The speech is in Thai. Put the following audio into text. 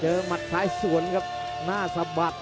โอ้โหไม่พลาดกับธนาคมโด้แดงเขาสร้างแบบนี้